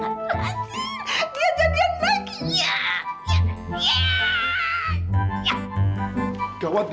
dia jadian lagi